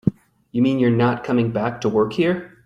You mean you're not coming back to work here?